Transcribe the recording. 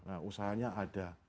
nah usahanya ada